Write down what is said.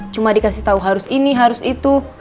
cuma dikasih tahu harus ini harus itu